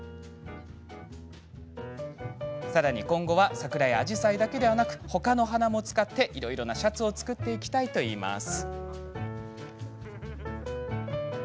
さらに今後は桜や紫陽花だけではなくほかの花も使ってシャツを作っていきたいといいます。